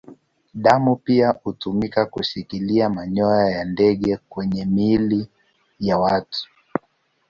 Damu pia hutumika kushikilia manyoya ya ndege kwenye miili ya watu.